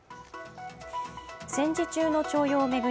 戦時中の徴用を巡り